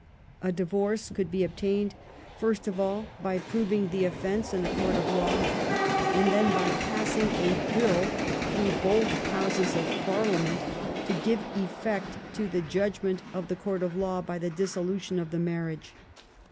A divorce could be obtained, first of all, by proving the offence in a court of law, and then by passing a bill through both Houses of Parliament to give effect to the judgment of the court of law by the dissolution of the marriage.